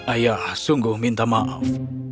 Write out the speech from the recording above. ayah sungguh minta maaf